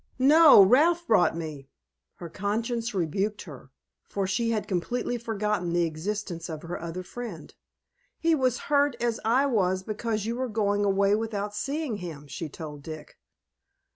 "No, Ralph brought me." Her conscience rebuked her, for she had completely forgotten the existence of her other friend. "He was as hurt as I was because you were going away without seeing him," she told Dick.